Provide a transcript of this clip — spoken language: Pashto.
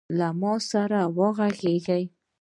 له ما سره وغږیږﺉ .